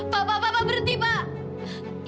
pak pak pak berhenti pak